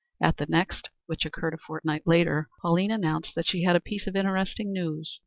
At the next, which occurred a fortnight later, Pauline announced that she had a piece of interesting news.